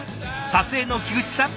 撮影の菊池さん